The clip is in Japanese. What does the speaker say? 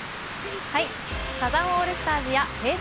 サザンオールスターズやＨｅｙ！